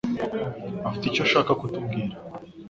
afite icyo ashaka kutubwira.